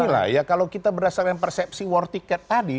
beginilah ya kalau kita berdasarkan persepsi war ticket tadi